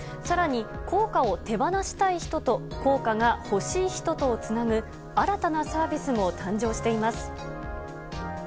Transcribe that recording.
さらに、硬貨を手放したい人と、硬貨が欲しい人とをつなぐ新たなサービスも誕生しています。